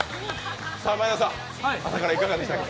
前田さん、朝からいかがでしたか？